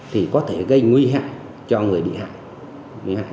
thì có thể gây nguy hại cho người bị hại